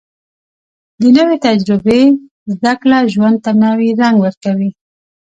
د نوې تجربې زده کړه ژوند ته نوې رنګ ورکوي